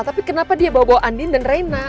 tapi kenapa dia bawa bawa andin dan reina